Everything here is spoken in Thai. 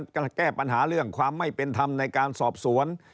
แก้ปัญหาเรื่องความไม่เป็นธรรมในการสอบสวน